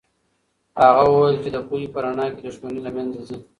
هغه وویل چې د پوهې په رڼا کې دښمني له منځه ځي.